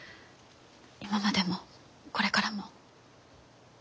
今までもこれからも。